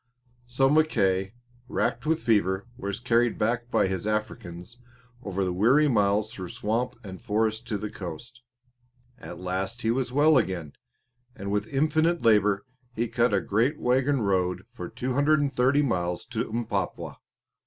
So Mackay, racked with fever, was carried back by his Africans over the weary miles through swamp and forest to the coast. At last he was well again, and with infinite labour he cut a great wagon road for 230 miles to Mpapwa.